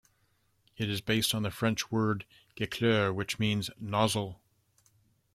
It is based on the French word gicleur, which means "nozzle".